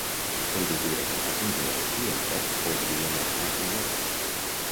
El vint-i-tres de maig en Joel i en Pep voldrien anar a Sant Jordi.